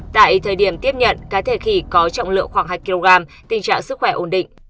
tại thời điểm tiếp nhận cá thể khỉ có trọng lượng khoảng hai kg tình trạng sức khỏe ổn định